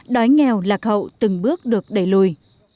đói nghèo lạc hậu từng bước được đẩy lùi